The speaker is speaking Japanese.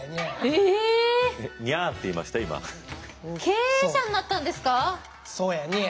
経営者になったんですか？